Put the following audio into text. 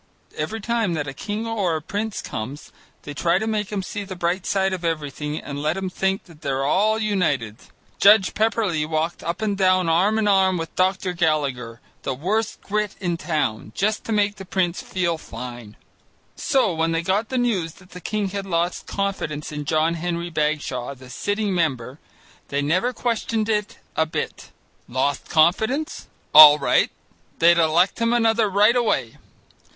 Every time that a king or a prince comes, they try to make him see the bright side of everything and let him think that they're all united. Judge Pepperleigh walked up and down arm in arm with Dr. Gallagher, the worst Grit in the town, just to make the prince feel fine. So when they got the news that the king had lost confidence in John Henry Bagshaw, the sitting member, they never questioned it a bit. Lost confidence? All right, they'd elect him another right away.